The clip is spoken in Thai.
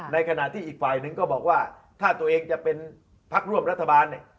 ในขณะที่อีกฝ่ายหนึ่งก็บอกว่าถ้าตัวเองจะเป็นพักร่วมรัฐบาลเนี่ย